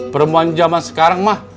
perempuan zaman sekarang mang